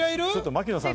槙野さん。